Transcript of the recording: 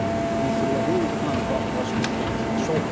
それがどういうことなのか詳しく見ていきます。